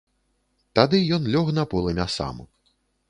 Тады ён лёг на полымя сам.